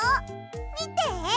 みて！